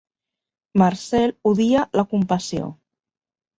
Marcel odia la compassió.